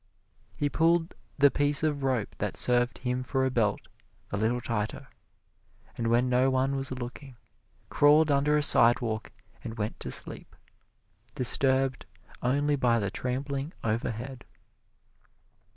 He pulled the piece of rope that served him for a belt a little tighter, and when no one was looking, crawled under a sidewalk and went to sleep, disturbed only by the trampling overhead.